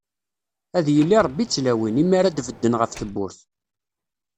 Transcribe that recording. Ad yili Ṛebbi d tlawin, i mi ara d-bedden ɣef tewwurt.